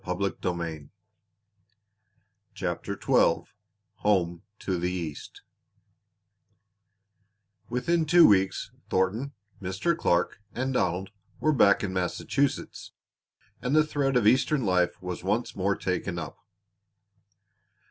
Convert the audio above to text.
CHAPTER XII HOME TO THE EAST Within two weeks Thornton, Mr. Clark, and Donald were back in Massachusetts, and the thread of Eastern life was once more taken up.